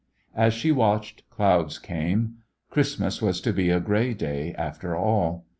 As she watched, clouds came. Christmas was to be a gray day after all.